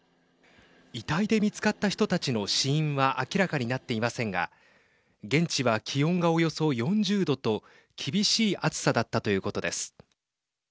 遺体で見つかった人たちの死因は明らかになっていませんが現地は気温がおよそ４０度と厳しい暑さだったということです。